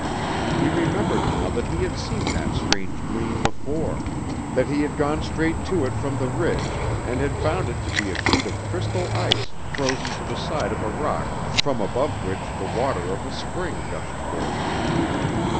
He remembered now that he had seen that strange gleam before, that he had gone straight to it from the ridge and had found it to be a sheet of crystal ice frozen to the side of a rock from above which the water of a spring gushed forth.